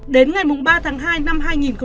đến ngày ba tháng hai năm hai nghìn hai mươi